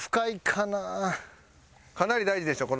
かなり大事でしょ？